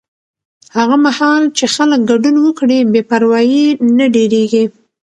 هغه مهال چې خلک ګډون وکړي، بې پروایي نه ډېرېږي.